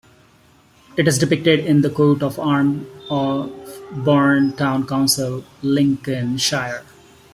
It is depicted in the coat of arms of Bourne Town Council, Lincolnshire.